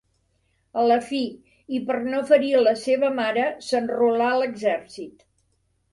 A la fi, i per no ferir la seva mare, s'enrolà a l'exèrcit.